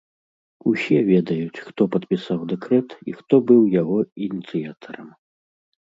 Усе ведаюць, хто падпісаў дэкрэт і хто быў яго ініцыятарам.